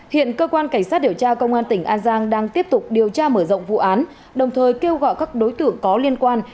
hiện cơ quan cảnh sát điều tra công an tỉnh an giang đang tiếp tục điều tra mở rộng vụ án đồng thời kêu gọi các đối tượng có liên quan